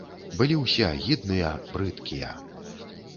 Былі ўсе агідныя, брыдкія.